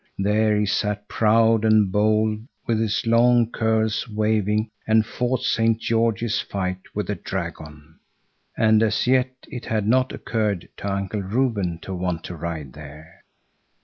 There he sat proud and bold with his long curls waving, and fought Saint George's fight with the dragon. And as yet it had not occurred to Uncle Reuben to want to ride there.